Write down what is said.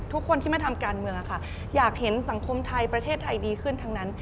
ทุกคนที่มาทำการเมืองอยากเห็นสังคมไทยประเทศไทยดีขึ้นทั้งนั้น